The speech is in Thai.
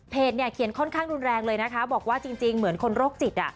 เขียนค่อนข้างรุนแรงเลยนะคะบอกว่าจริงเหมือนคนโรคจิต